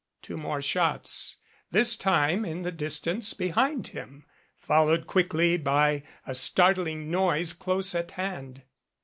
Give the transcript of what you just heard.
Two more shots, this time in the distance behind him, followed quickly by a startling noise close at hand.